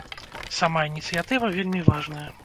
Сама ініцыятыва вельмі важная.